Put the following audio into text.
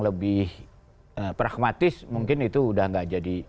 lebih pragmatis mungkin itu udah nggak jadi